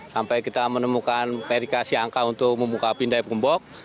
sampai kita menemukan perikasi angka untuk membuka pindai pembok